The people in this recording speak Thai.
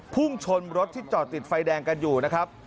พุ่งชนรถที่จอดติดไฟแดงกันอยู่นะครับ